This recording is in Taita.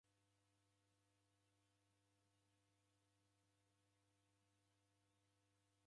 W'andu w'a imbiri ni w'aja w'erekoghe kazinyi aho naimbiri.